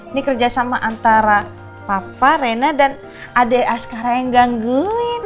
ini kerjasama antara papa rena dan adek askara yang gangguin